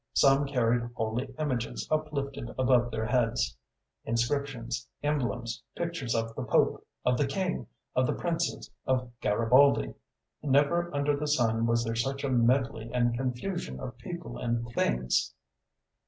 Some carried holy images uplifted above their heads; inscriptions, emblems, pictures of the Pope, of the King, of the Princes, of Garibaldi; never under the sun was there such a medley and confusion of people and things!